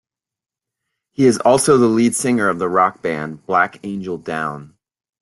He is also the lead singer of the Rock band Black Angel Down.